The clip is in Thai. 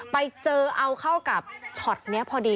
ไปเจอเอาเข้ากับช็อตนี้พอดี